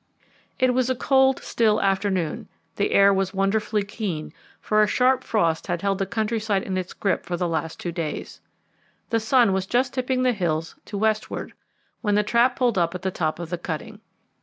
It was a cold, still afternoon; the air was wonderfully keen, for a sharp frost had held the countryside in its grip for the last two days. The sun was just tipping the hills to westward when the trap pulled up at the top of the cutting.